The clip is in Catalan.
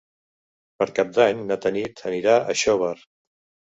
Per Cap d'Any na Tanit anirà a Xóvar.